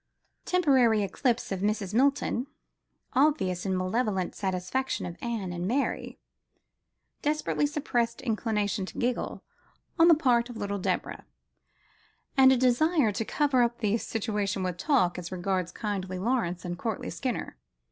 Temporary eclipse of Mrs. Milton: obvious and malevolent satisfaction of Anne and Mary: desperately suppressed inclination to giggle on the part of little Deborah: and a desire to cover up the situation with talk, as regards kindly Lawrence and courtly Skinner.